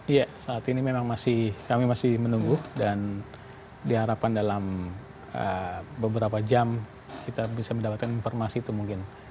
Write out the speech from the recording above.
iya saat ini memang masih kami masih menunggu dan diharapkan dalam beberapa jam kita bisa mendapatkan informasi itu mungkin